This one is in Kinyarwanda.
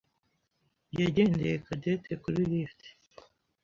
yagendeye Cadette kuri lift.